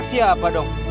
terus dulu anak siapa dong